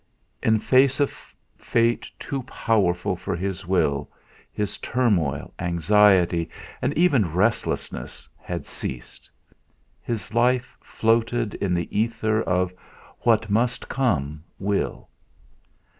In face of fate too powerful for his will, his turmoil, anxiety, and even restlessness had ceased; his life floated in the ether of "what must come, will."